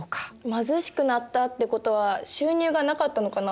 貧しくなったってことは収入がなかったのかな？